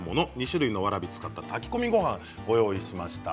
２種類のわらびを使った炊き込みごはんをご用意しました。